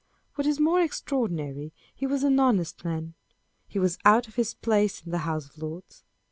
What is more extraordinary, he was an honest man. He was out of his place in the House of Lords.